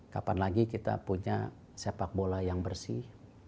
kapan lagi kita punya sepak bola yang bersih